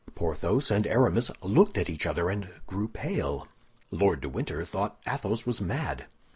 Porthos and Aramis looked at each other, and grew pale. Lord de Winter thought Athos was mad.